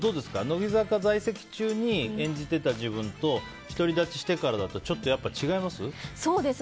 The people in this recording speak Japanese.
乃木坂在籍中に演じていた自分と独り立ちしてからだとやっぱりちょっと違います？